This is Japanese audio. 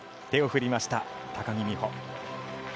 手を振りました、高木美帆。